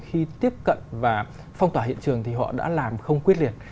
khi tiếp cận và phong tỏa hiện trường thì họ đã làm không quyết liệt